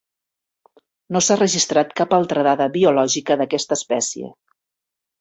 No s'ha registrat cap altra dada biològica d'aquesta espècie.